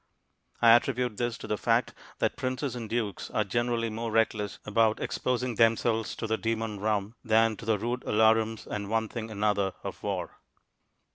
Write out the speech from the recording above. I attribute this to the fact that princes and dukes are generally more reckless about exposing themselves to the demon rum than to the rude alarums and one thing another of war.